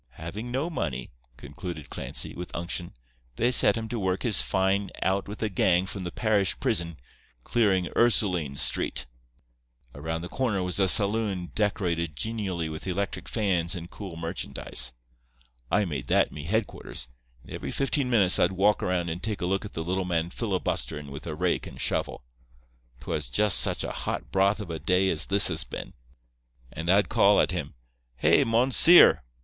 "Havin' no money," concluded Clancy, with unction, "they set him to work his fine out with a gang from the parish prison clearing Ursulines Street. Around the corner was a saloon decorated genially with electric fans and cool merchandise. I made that me headquarters, and every fifteen minutes I'd walk around and take a look at the little man filibusterin' with a rake and shovel. 'Twas just such a hot broth of a day as this has been. And I'd call at him 'Hey, monseer!